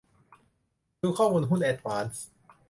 ดูข้อมูลหุ้นแอดวานซ์